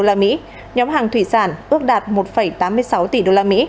nhóm hàng thủy sản ước đạt một tám mươi sáu tỷ usd